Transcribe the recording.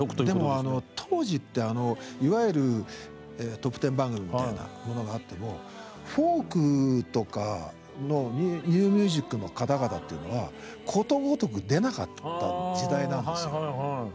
でも当時っていわゆるトップテン番組みたいなものがあってもフォークとかのニューミュージックの方々っていうのはことごとく出なかった時代なんですよ。